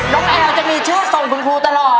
น้องแอวจะมีชื่อส่งคุณครูตลอด